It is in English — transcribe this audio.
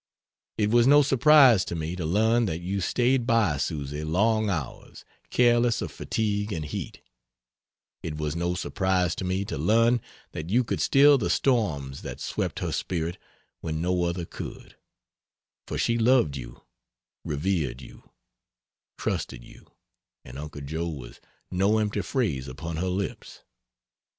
It was no surprise to me to learn that you stayed by Susy long hours, careless of fatigue and heat, it was no surprise to me to learn that you could still the storms that swept her spirit when no other could; for she loved you, revered you, trusted you, and "Uncle Joe" was no empty phrase upon her lips!